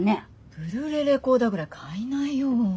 ブルーレイレコーダーぐらい買いなよ。